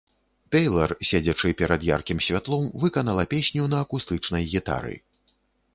Тэйлар, седзячы перад яркім святлом, выканала песню на акустычнай гітары.